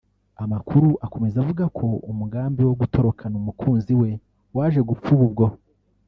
Amakuru akomeza avuga ko umugambi wo gutorokana umukunzi we waje gupfuba ubwo